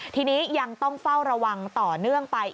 ทีนี้ยังต้องเฝ้าระวังต่อเนื่องไป